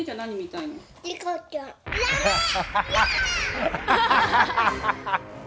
アハハハ。